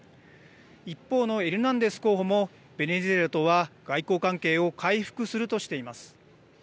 一方のエルナンデス候補もベネズエラとは外交関係を回復するとしています。